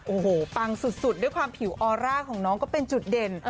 โอ้โหปังสุดด้วยความผิวออร่าของน้องก็เป็นจุดเด่น